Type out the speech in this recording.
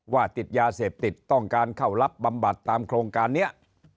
ว่าติดยาเสพติดต้องการเข้ารับบำบัดตามโครงการนี้